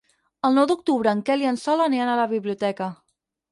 El nou d'octubre en Quel i en Sol aniran a la biblioteca.